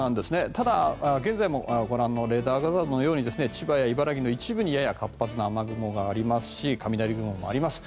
ただ、現在もご覧のレーダー画像のように千葉や茨城の一部にやや活発な雨雲がありますし雷雲もあります。